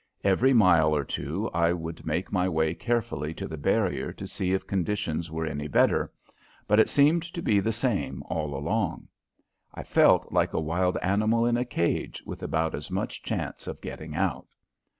Every mile or two I would make my way carefully to the barrier to see if conditions were any better, but it seemed to be the same all along. I felt like a wild animal in a cage, with about as much chance of getting out.